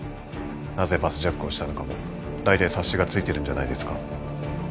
なぜバスジャックをしたのかもだいたい察しがついてるんじゃないですか？